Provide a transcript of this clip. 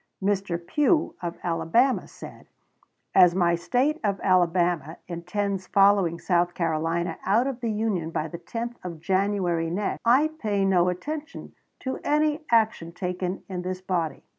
Mr. Pugh, of Alabama, said: "As my State of Alabama intends following South Carolina out of the Union by the 10th of January next, I pay no attention to any action taken in this body."